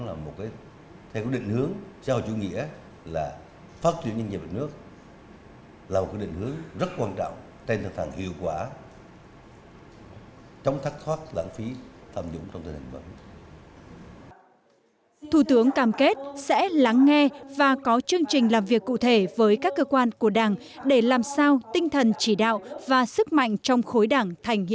sự đồng tâm hiệp lực định hướng chiến lược phát triển của đất nước để thực hiện mục tiêu của từng cơ quan